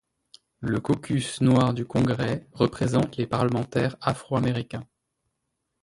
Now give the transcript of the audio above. Le caucus noir du Congrès représente les parlementaires Afro-Américains.